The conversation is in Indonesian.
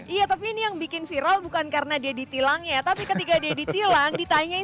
iya tapi ini yang bikin viral bukan karena dia ditilangnya ya tapi ketika dia ditilang ditanyain